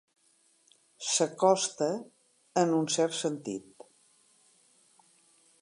S'acosta, en un cert sentit.